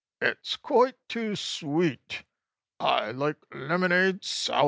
"It's quite too SWEET! I like lemonade sour!"